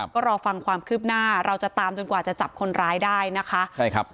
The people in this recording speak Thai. ก็รอฟังความคืบหน้าเราจะตามจนกว่าจะจับคนร้ายได้นะคะใช่ครับ